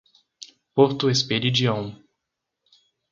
Porto Esperidião